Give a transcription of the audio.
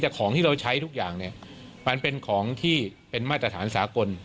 แต่ของที่เราใช้ทุกอย่างเนี่ยมันเป็นของที่เป็นมาตรฐานสากล